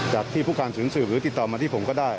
แหละที่ผู้กำสืบหรือติดต่อมาที่ผมก็ได้